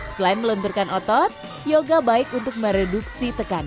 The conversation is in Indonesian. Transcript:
selain melunturkan otot yoga baik untuk mereduksi tekanan